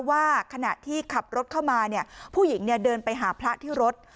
ว่าขณะที่ขับรถเข้ามาผู้หญิงเดินไปหาพระที่รถ